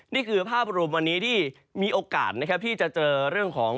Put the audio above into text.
นี่คือภาพรวมวันนี้ที่มีโอกาสนะครับที่จะเจอเรื่องของ